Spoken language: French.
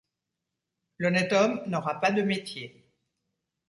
L’honnête homme n’aura pas de métier.